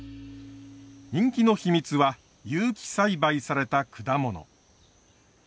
人気の秘密は有機栽培された果物。